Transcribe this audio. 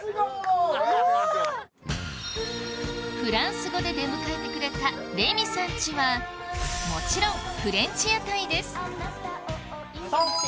フランス語で出迎えてくれたレミさんちはもちろんフレンチ屋台ですソンテ！